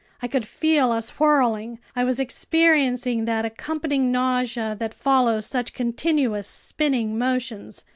I could feel us whirling. I was experiencing that accompanying nausea that follows such continuous spinning motions.